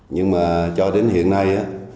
nhưng mà cho đến hiện nay